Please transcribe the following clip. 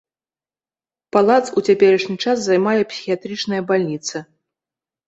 Палац у цяперашні час займае псіхіятрычная бальніца.